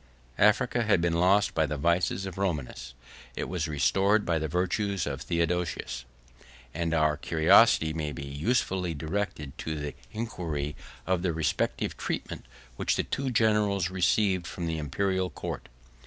] Africa had been lost by the vices of Romanus; it was restored by the virtues of Theodosius; and our curiosity may be usefully directed to the inquiry of the respective treatment which the two generals received from the Imperial court.